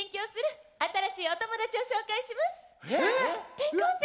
転校生？